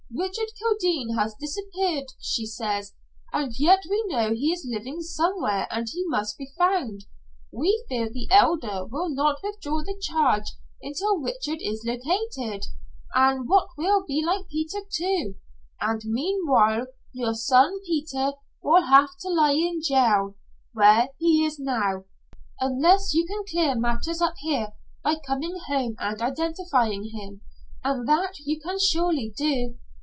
'Richard Kildene has disappeared,' she says, 'and yet we know he is living somewhere and he must be found. We fear the Elder will not withdraw the charge until Richard is located' An' that will be like Peter, too 'and meanwhile your son Peter will have to lie in jail, where he is now, unless you can clear matters up here by coming home and identifying him, and that you can surely do.'